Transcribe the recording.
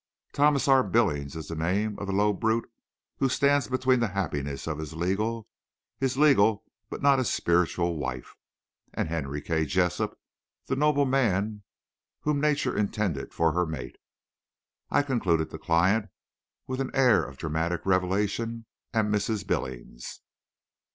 "Thomas R. Billings is the name of the low brute who stands between the happiness of his legal—his legal, but not his spiritual—wife and Henry K. Jessup, the noble man whom nature intended for her mate. I," concluded the client, with an air of dramatic revelation, "am Mrs. Billings!"